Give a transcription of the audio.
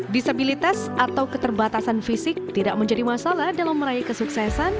disabilitas atau keterbatasan fisik tidak menjadi masalah dalam meraih kesuksesan